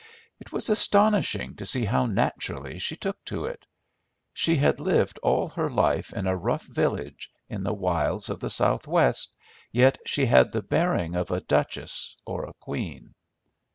It was astonishing to see how naturally she took to it. She had lived all her life in a rough village in the wilds of the South West, yet she had the bearing of a duchess or a queen.